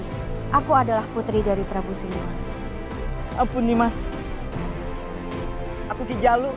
hai aku adalah putri dari prabu singa alpun dimas aku ke jalulimate